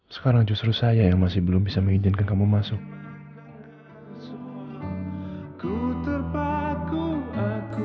sekarang justru saya yang masih belum bisa mengizinkan kamu masuk